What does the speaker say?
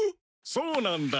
そうなんだ。